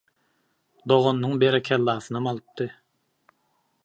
Doganynyň «berekellasynam» alypdy.